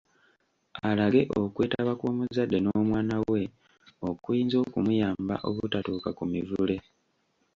Alage okwetaba kw’omuzadde n’omwana we okuyinza okumuyamba obutatuuka ku Mivule